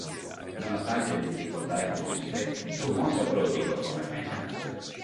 Nonostante le difficoltà economiche, fu molto prodigo come mecenate.